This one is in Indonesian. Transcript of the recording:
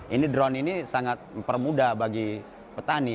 ini drone ini sangat mempermudah bagi petani